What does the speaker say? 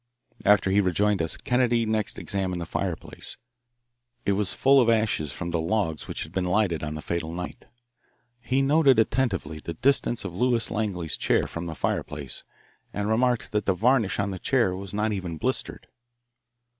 After he rejoined us, Kennedy next examined the fireplace. It was full of ashes from the logs which had been lighted on the fatal night. He noted attentively the distance of Lewis Langley's chair from the fireplace, and remarked that the varnish on the chair was not even blistered.